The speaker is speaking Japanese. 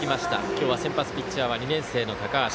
今日は先発ピッチャーは２年生の高橋。